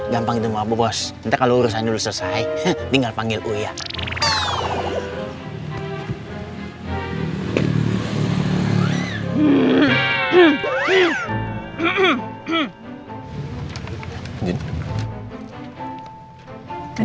sampai jumpa di video selanjutnya